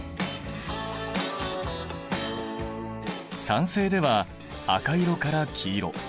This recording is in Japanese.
酸性では赤色から黄色。